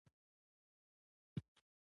مونږ به ګورو